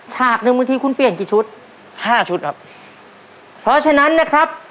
ฉากหนึ่งบางทีคุณเปลี่ยนกี่ชุดห้าชุดครับเพราะฉะนั้นนะครับ